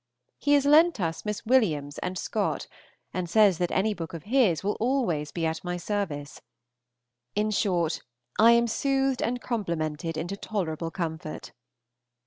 He has lent us Miss Williams and Scott, and says that any book of his will always be at my service. In short, I am soothed and complimented into tolerable comfort.